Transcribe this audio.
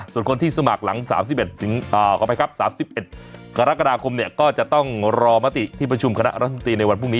ส่วนคนที่สมัครหลัง๓๑กรกฎาคมก็จะต้องรอมติที่ประชุมคณะรัฐมนตรีในวันพรุ่งนี้